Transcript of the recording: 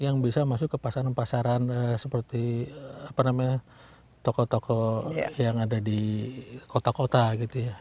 yang bisa masuk ke pasaran pasaran seperti toko toko yang ada di kota kota gitu ya